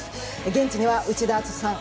現地には内田篤人さん